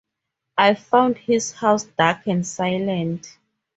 I found his house dark and silent.